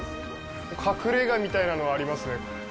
隠れ家みたいなの、ありますね。